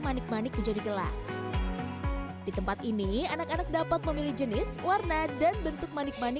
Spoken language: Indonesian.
manik manik menjadi gelap di tempat ini anak anak dapat memilih jenis warna dan bentuk manik manik